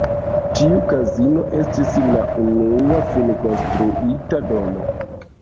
Tiu kazino estis la unua finkonstruita domo.